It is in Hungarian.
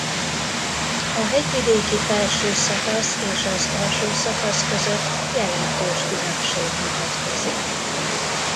A hegyvidéki felső szakasz és az alsó szakasz között jelentős különbség mutatkozik.